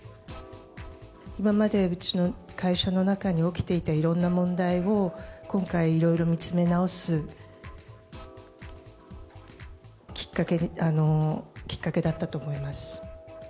今までうちの会社の中に起きていたいろんな問題を、今回、いろいろ見つめ直すきっかけだったと思います。